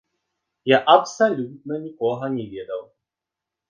Я абсалютна нікога не ведаў.